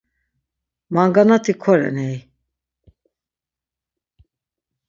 Manganati koren hey.